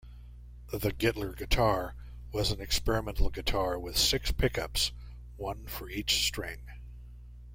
The Gittler guitar was an experimental guitar with six pickups, one for each string.